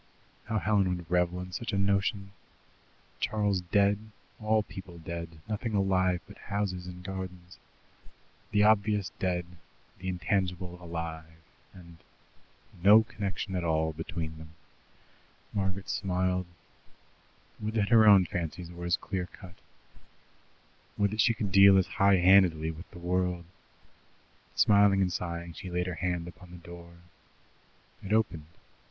How Helen would revel in such a notion! Charles dead, all people dead, nothing alive but houses and gardens. The obvious dead, the intangible alive, and no connection at all between them! Margaret smiled. Would that her own fancies were as clear cut! Would that she could deal as high handedly with the world! Smiling and sighing, she laid her hand upon the door. It opened.